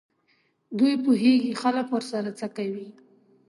دوی پوهېږي خلک ورسره څه کوي.